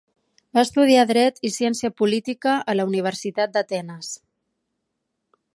Va estudiar Dret i Ciència Política a la Universitat d'Atenes.